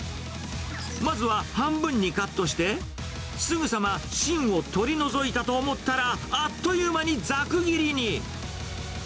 まずは半分にカットして、すぐさま芯を取り除いたと思ったら、あっという間にざく切りに。